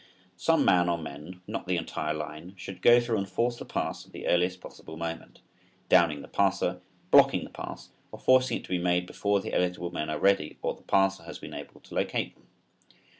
Some man or men, not the entire line, should go through and force the pass at the earliest possible moment, downing the passer, blocking the pass or forcing it to be made before the eligible men are ready or the passer has been able to locate them.